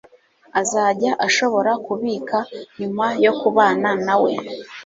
azajya ashobora kubika nyuma yo kubana na we